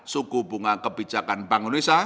suku bunga kebijakan bank indonesia